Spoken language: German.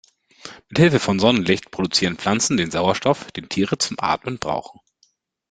Mithilfe von Sonnenlicht produzieren Pflanzen den Sauerstoff, den Tiere zum Atmen brauchen.